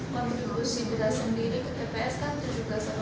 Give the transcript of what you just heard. konfusio si bila sendiri ke tps kan tujuh belas delapan belas persen ya